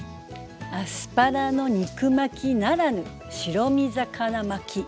アスパラの肉巻きならぬ白身魚巻き。